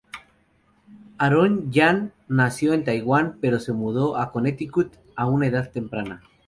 Aaron Yan nació en Taiwán, pero se mudó a Connecticut a una edad temprana.